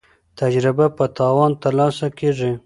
تجربه په تاوان ترلاسه کیږي.